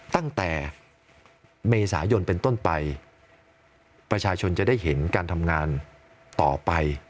ตั้งแต่เมษายนเป็นต้นไปประชาชนจะได้เห็นการทำงานต่อไป